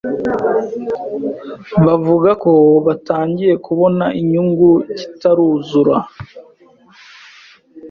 bavuga ko batangiye kubona inyungu kitaruzura